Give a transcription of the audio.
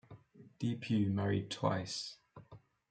Depew married twice.